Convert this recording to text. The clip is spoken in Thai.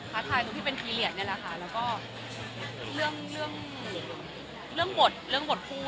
ถ้าใจกับเราอย่างไรบ้าง